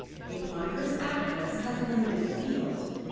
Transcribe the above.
A ponderous actress has a limited field.